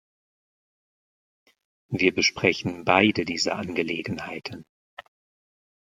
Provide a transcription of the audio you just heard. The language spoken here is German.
Wir besprechen beide dieser Angelegenheiten.